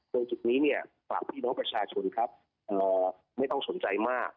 จุดนี้เนี่ยฝากพี่น้องประชาชนครับไม่ต้องสนใจมาก